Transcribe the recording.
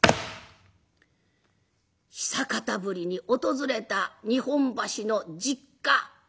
久方ぶりに訪れた日本橋の実家。